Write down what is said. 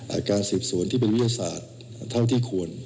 การสืบสวนที่เป็นวิทยาศาสตร์เท่าที่ควร